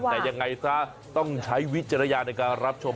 แต่ยังไงซะต้องใช้วิจารณญาณในการรับชม